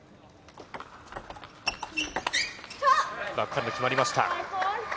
バックハンド決まりました。